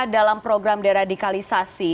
dalam program deradikalisasi